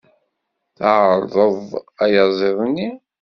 Tɛerḍeḍ ayaziḍ-nni?